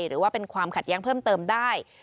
หรือว่าเป็นความขัดแย้งเพิ่มเติมได้